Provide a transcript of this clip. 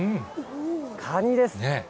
カニです。